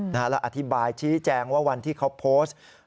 แล้วอธิบายชี้แจงว่าวันที่เขาโพสต์